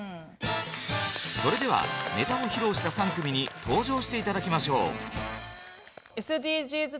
それではネタを披露した３組に登場して頂きましょう。